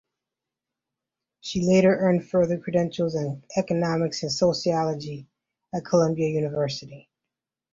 She later earned further credentials in economics and sociology at Columbia University.